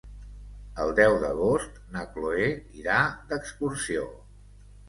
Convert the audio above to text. El deu d'agost na Chloé irà d'excursió.